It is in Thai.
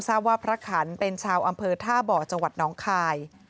ทราบว่าพระขันเป็นชาวอำเภอท่าบ่อจังหวัดน้องคาย